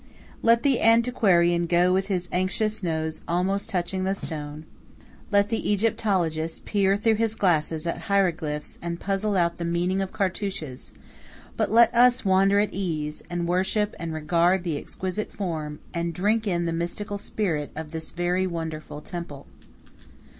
Let the antiquarian go with his anxious nose almost touching the stone; let the Egyptologist peer through his glasses at hieroglyphs and puzzle out the meaning of cartouches: but let us wander at ease, and worship and regard the exquisite form, and drink in the mystical spirit, of this very wonderful temple.